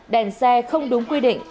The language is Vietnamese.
đèn xe không đúng quy định